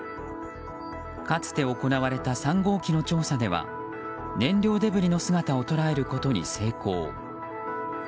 かつて行われた３号機の調査では燃料デブリの姿を捉えることに成功。